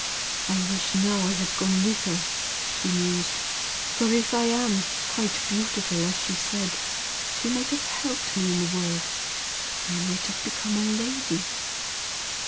"I wish now I had gone with her!" she mused "for if I am 'quite beautiful,' as she said, she might have helped me in the world, I might have become a lady!"